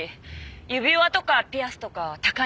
指輪とかピアスとか高いのばっか。